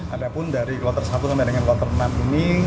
ada pun dari kloter satu sampai dengan kloter enam ini